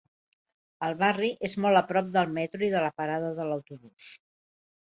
El barri és molt a prop del metro i de la parada de l'autobús.